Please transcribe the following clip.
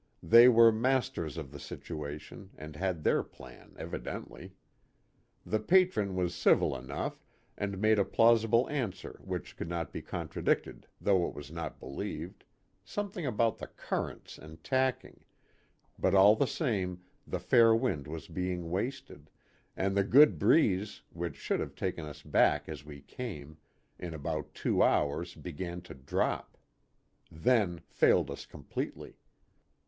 They were mas ters of the situation, and had their plan, evidently. The Patron was civil enough, and made a plausible answer which could not be contradicted though it was not believed something about the currents and tacking but all the same the fair wind was being wasted, and the good breeze, which should have taken us back as we came, in about two hours began to drop. Then failed us completely.